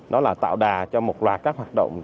đó là tạo đà cho một loạt các hoạt động